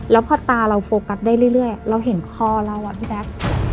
แล้วพอตาเราโฟกัสได้เรื่อยเราเห็นคอเราอะพี่แจ๊ค